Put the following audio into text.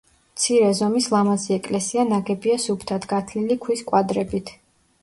მცირე ზომის ლამაზი ეკლესია ნაგებია სუფთად გათლილი ქვის კვადრებით.